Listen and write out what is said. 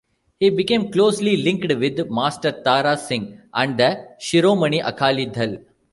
He became closely linked with Master Tara Singh and the Shiromani Akali Dal.